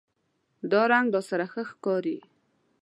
دا رنګ راسره ښه ښکاری